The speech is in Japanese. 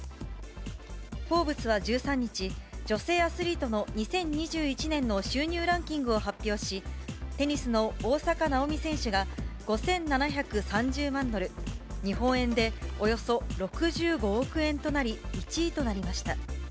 フォーブスは１３日、女性アスリートの２０２１年の収入ランキングを発表し、テニスの大坂なおみ選手が、５７３０万ドル、日本円でおよそ６５億円となり、１位となりました。